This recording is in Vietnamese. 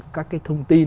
các cái thông tin